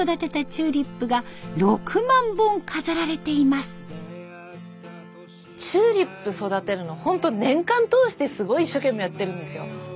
チューリップ育てるのホント年間通してすごい一生懸命やってるんですよ。